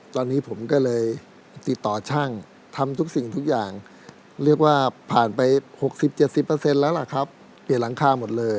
ตอนนี้ผมก็เลยติดต่อช่างทำทุกสิ่งทุกอย่างเรียกว่าผ่านไป๖๐๗๐แล้วล่ะครับเปลี่ยนหลังคาหมดเลย